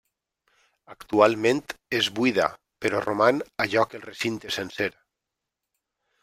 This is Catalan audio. Actualment és buida, però roman a lloc el recinte sencer.